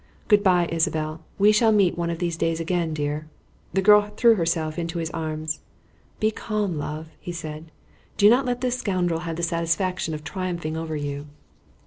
Good by, Isabelle. We shall meet one of these days again, dear." The girl threw herself into his arms. "Be calm, love!" he said. "Do not let this scoundrel have the satisfaction of triumphing over you."